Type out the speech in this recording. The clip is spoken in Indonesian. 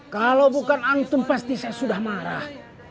kalau bukan angtem pasti saya sudah marah